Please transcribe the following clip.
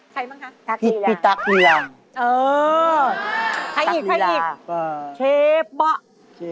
ใครบ้างคะพี่ตั๊งกีลาอ่า